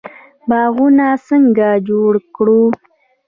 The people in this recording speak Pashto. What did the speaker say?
باغونه څنګه جوړ کړو؟